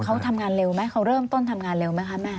เขาทำงานเร็วไหมเขาเริ่มต้นทำงานเร็วไหมคะแม่